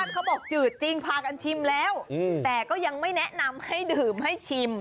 เขาก็เลยชิม